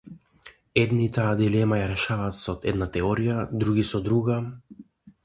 Едни таа дилема ја решаваат со една теорија, други со друга.